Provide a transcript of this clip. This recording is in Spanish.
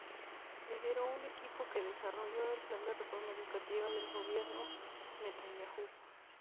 Lideró un equipo que desarrolló el plan de reforma educativa del Gobierno Netanyahu.